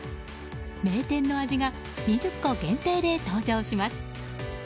名店の味が２０個限定で登場します。